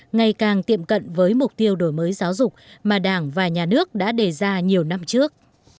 ngày càng tiệm cận với mục tiêu đổi mới giáo dục mà đảng và nhà nước đã đề ra nhiều năm trước